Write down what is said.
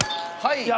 はい！